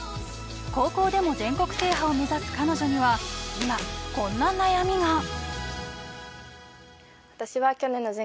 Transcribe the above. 高校でも全国制覇を目指す彼女には今こんな悩みが。